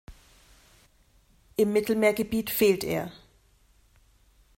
Im Mittelmeergebiet fehlt er.